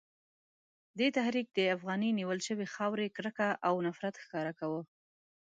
دې تحریک د افغاني نیول شوې خاورې کرکه او نفرت ښکاره کاوه.